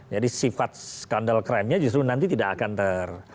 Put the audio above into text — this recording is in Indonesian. jadi sifat skandal krimnya justru nanti tidak akan terungkap